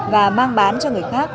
và mang bán cho người khác